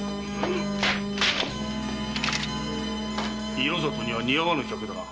色里には似合わぬ客だな。